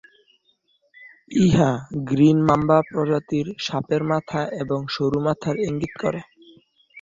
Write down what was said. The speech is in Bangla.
ইহা গ্রিন মাম্বা প্রজাতির সাপের লম্বা এবং সরু মাথার ইঙ্গিত করে।